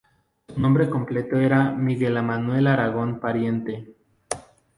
Su nombre completo era Ángel Manuel Aragón Pariente.